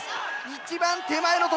一番手前の所